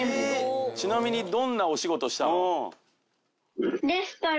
ちなみにどんなお仕事したの？